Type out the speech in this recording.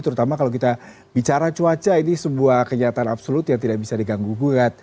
terutama kalau kita bicara cuaca ini sebuah kenyataan absolut yang tidak bisa diganggu gugat